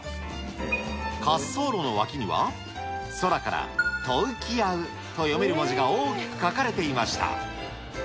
滑走路の脇には、空からトウキヤウと読める文字が大きく書かれていました。